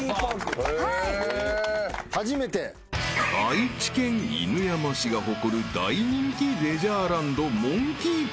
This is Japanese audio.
［愛知県犬山市が誇る大人気レジャーランド］